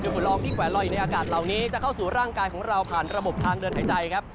ฝุ่นลองที่แขวนลอยอยู่ในอากาศเหล่านี้จะเข้าสู่ร่างกายของเราผ่านระบบทางเดินหายใจครับ